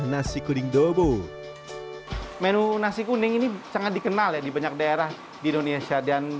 nasi kuding dobo menu nasi kuning ini sangat dikenal ya di banyak daerah di indonesia dan